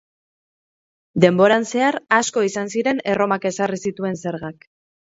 Denboran zehar, asko izan ziren Erromak ezarri zituen zergak.